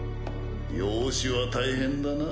養子は大変だな。